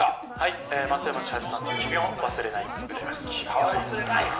松山千春さんの『君を忘れない』歌います。